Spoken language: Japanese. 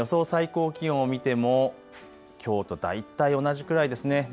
最高気温を見てもきょうと大体、同じくらいですね。